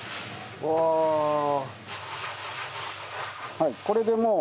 はいこれでもう。